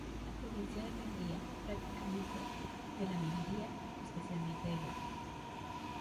La provincia dependía, prácticamente, de la minería, especialmente del oro.